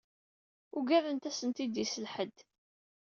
Ugadent ad sent-id-isel ḥedd.